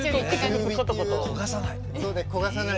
焦がさない。